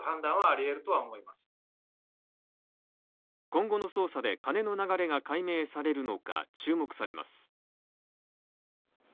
今後の捜査で金の流れが解明されるのか注目されます。